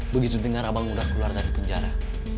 begitu dengar abang udah keluar dari penjara